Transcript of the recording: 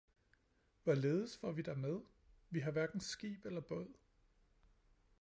hvorledes får vi dig med? Vi har hverken skib eller båd!